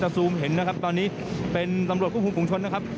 ซูมเห็นนะครับตอนนี้เป็นตำรวจควบคุมฝุงชนนะครับ